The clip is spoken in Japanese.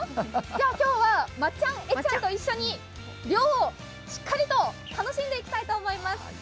今日はまっちゃん、えっちゃんと一緒に漁をしっかりと楽しんでいきたいと思います。